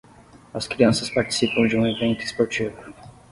As crianças participam de um evento esportivo.